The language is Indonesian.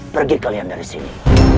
pergi kalian dari sini